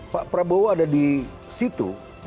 pak prabowo ada di situ